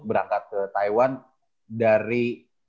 berangkat ke taiwan dari